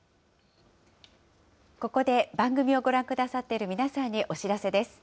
ここで番組をご覧くださっている皆さんにお知らせです。